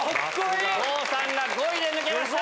郷さんが５位で抜けました！